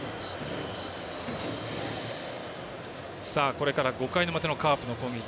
これから５回表のカープの攻撃。